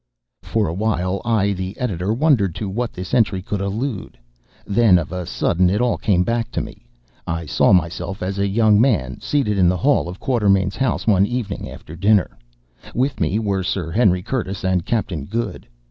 For a while I, the Editor, wondered to what this entry could allude. Then of a sudden it all came back to me. I saw myself, as a young man, seated in the hall of Quatermain's house one evening after dinner. With me were Sir Henry Curtis and Captain Good.